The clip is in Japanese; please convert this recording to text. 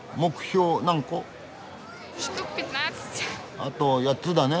あと８つだね。